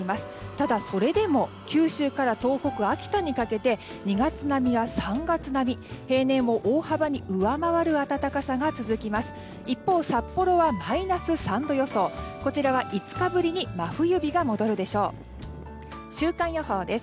ただ、それでも九州から東北、秋田にかけて２月並みや３月並み平年を大幅に上回る暖かさが続きます。